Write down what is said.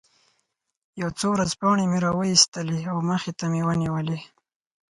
یو څو ورځپاڼې مې را وویستلې او مخې ته مې ونیولې.